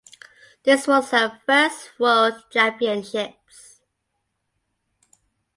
This was her first World Championships.